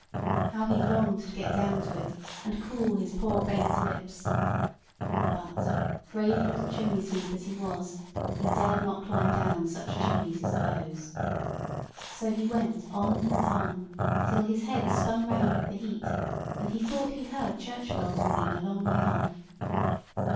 How he longed to get down to it, and cool his poor baked lips! But, brave little chimney sweep as he was, he dared not climb down such chimneys as those. So he went on and on, till his head spun round with the heat, and he thought he heard church bells ringing a long way off.